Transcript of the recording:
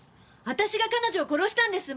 私が彼女を殺したんです。